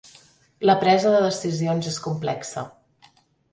La presa de decisions és complexa.